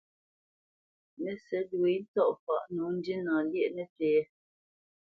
Mə́sɛ̌t wě ntsɔ̂faʼ nǒ ndína lyéʼ nəpí yɛ̌.